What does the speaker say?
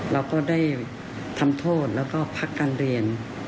เราก็ได้ทำโทษแล้วก็พักการเรียน